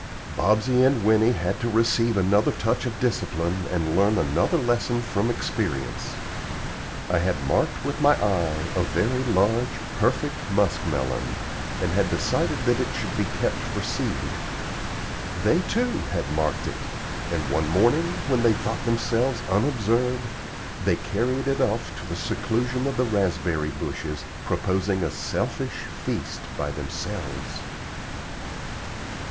Bobsey and Winnie had to receive another touch of discipline and learn another lesson from experience. I had marked with my eye a very large, perfect musk melon, and had decided that it should be kept for seed. They, too, had marked it; and one morning, when they thought themselves unobserved, they carried it off to the seclusion of the raspberry bushes, proposing a selfish feast by themselves.